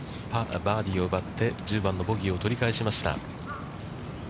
バーディーを奪って、１０番のボギーを取り返しました。